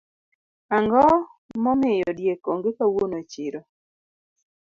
Ango momiyo diek onge kawuono e chiro